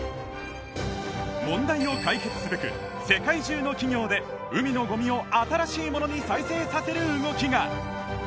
問題を解決すべく世界中の企業で海のゴミを新しいものに再生させる動きが！